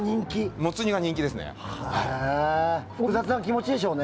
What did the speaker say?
モツ煮が人気ですね。